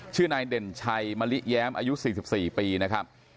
ชื่อนายเด่นชัยมะลิแย้มอายุ๔๔ปีนะครับ